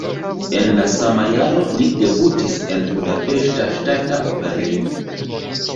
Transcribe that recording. En la sama jaro li debutis en Budapeŝta Ŝtata Operejo.